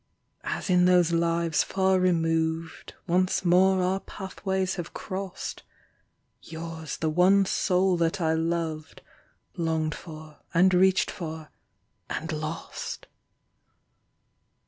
As in those lives far removed, Once more our pathways have crossed. Yours the one soul that I loved, Longed for and reached for ... and lost